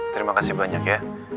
terima kasih banyak ya